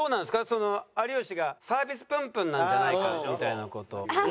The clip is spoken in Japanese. その有吉がサービスぷんぷんなんじゃないかみたいな事を。